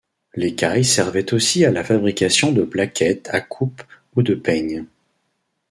L'écaille servait aussi à la fabrication de plaquettes à coupe ou de peignes.